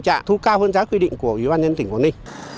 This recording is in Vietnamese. các cái hình trạng thu cao hơn giá quy định của ubnd tỉnh quảng ninh